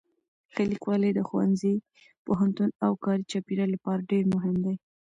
ښه لیکوالی د ښوونځي، پوهنتون او کاري چاپېریال لپاره ډېر مهم دی.